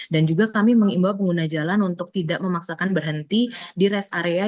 dan juga kami mengimbau pengguna jalan untuk tidak memaksakan berhenti di res area